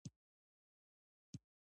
لر و بر دواړه د ژبې برخه دي.